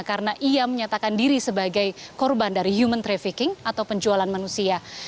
karena ia menyatakan diri sebagai korban dari human trafficking atau penjualan manusia